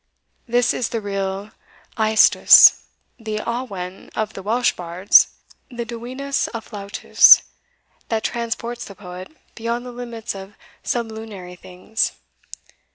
This is the real aestus, the awen of the Welsh bards, the divinus afflatus that transports the poet beyond the limits of sublunary things.